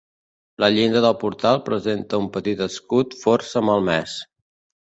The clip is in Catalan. La llinda del portal presenta un petit escut força malmès.